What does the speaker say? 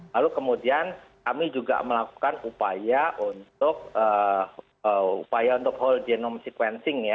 lalu kemudian kami juga melakukan upaya untuk hold genome sequencing